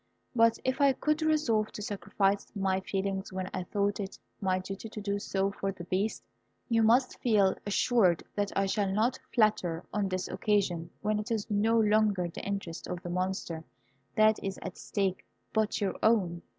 But if I could resolve to sacrifice my feelings when I thought it my duty to do so for the Beast, you must feel assured that I shall not falter on this occasion when it is no longer the interest of the Monster that is at stake, but your own.